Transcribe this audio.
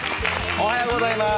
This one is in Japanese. おはようございます。